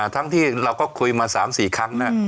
ทั้งที่เราก็คุยมา๓๔ครั้ง